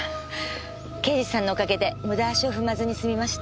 刑事さんのお陰で無駄足を踏まずに済みました。